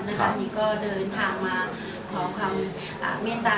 อย่างนี้ก็เดินทางมาขอความเม้นตา